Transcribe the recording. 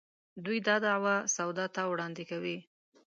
دوی دا دعوه سودا ته وړاندې کوي.